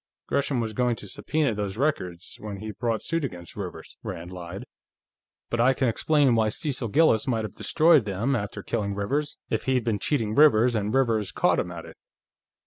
Gresham was going to subpoena those records, when he brought suit against Rivers," Rand lied. "But I can explain why Cecil Gillis might have destroyed them, after killing Rivers, if he'd been cheating Rivers and Rivers caught him at it."